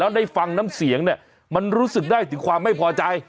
แล้วได้ฟังน้ำเสียงเนี่ยมันรู้สึกได้ถึงความไม่พอใจ